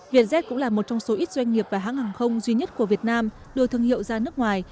vietjet cũng là một trong số ít doanh nghiệp và hãng hàng không duy nhất của việt nam đưa thương hiệu ra nước ngoài